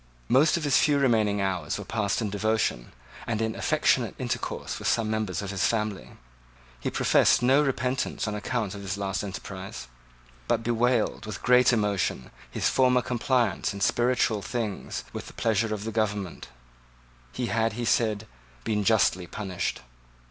Most of his few remaining hours were passed in devotion, and in affectionate intercourse with some members of his family. He professed no repentance on account of his last enterprise, but bewailed, with great emotion, his former compliance in spiritual things with the pleasure of the government He had, he said, been justly punished.